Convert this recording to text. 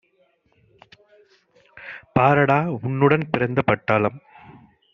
பாரடா உன்னுடன் பிறந்த பட்டாளம்!